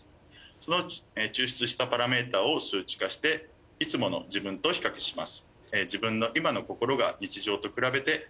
その抽出したパラメータを数値化していつもの自分と比較します。